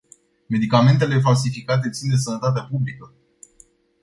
Medicamentele falsificate țin de sănătatea publică.